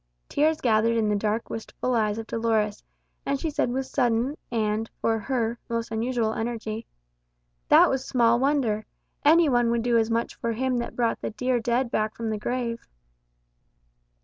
Tears gathered in the dark wistful eyes of Dolores, and she said with sudden and, for her, most unusual energy, "That was small wonder. Any one would do as much for him that brought the dear dead back from the grave."